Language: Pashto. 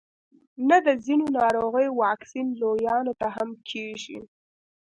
نه د ځینو ناروغیو واکسین لویانو ته هم کیږي